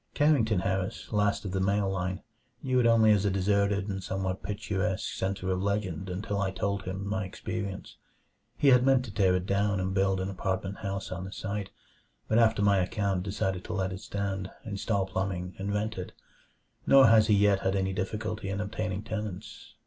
Carrington Harris, last of the male line, knew it only as a deserted and somewhat picturesque center of legend until I told him my experience. He had meant to tear it down and build an apartment house on the site, but after my account decided to let it stand, install plumbing, and rent it. Nor has he yet had any difficulty in obtaining tenants.